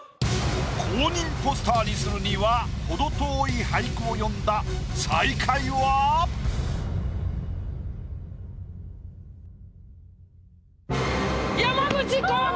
公認ポスターにするには程遠い俳句を詠んだ山口航輝！